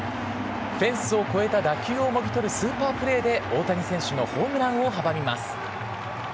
フェンスを越えた打球をもぎ取るスーパープレーで大谷選手のホームランを阻みます。